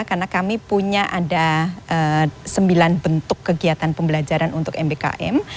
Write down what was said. karena kami punya ada sembilan bentuk kegiatan pembelajaran untuk mbkm